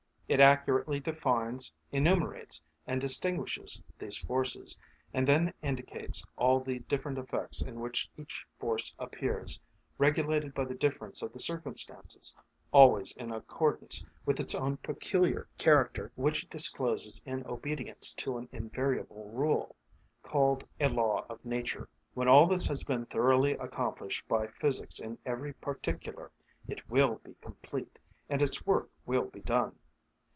It accurately defines, enumerates, and distinguishes these forces, and then indicates all the different effects in which each force appears, regulated by the difference of the circumstances, always in accordance with its own peculiar character, which it discloses in obedience to an invariable rule, called a law of nature. When all this has been thoroughly accomplished by physics in every particular, it will be complete, and its work will be done.